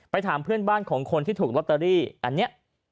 ไปถามเพื่อนของคนที่ถูกล็อเตอรี่